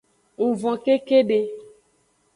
Ng von kekede.